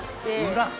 裏？